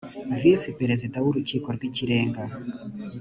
visi perezida w urukiko rw ikirenga